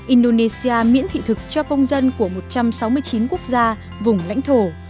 indonesia miễn thị thực cho công dân của một trăm sáu mươi chín quốc gia vùng lãnh thổ